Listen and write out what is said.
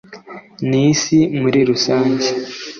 n’isi muri rusange